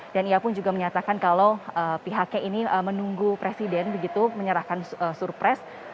dan ia pun juga menyatakan kalau pihaknya ini menunggu presiden begitu menyerahkan suruh pres